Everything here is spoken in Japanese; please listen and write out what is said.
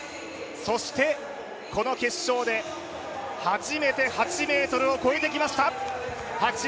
そしてこの決勝で、初めて８ｍを越えてきました。